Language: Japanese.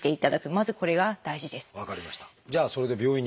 まずこれが大事です。